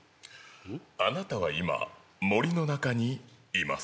あなたは今森の中にいます